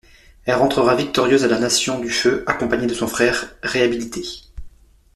Elle rentrera victorieuse à la Nation du feu accompagnée de son frère réhabilité.